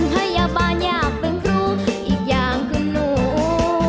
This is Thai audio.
ให้อย่าบ้านอยากเป็นครูอีกอย่างคือลูก